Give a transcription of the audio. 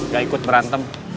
gak ikut berantem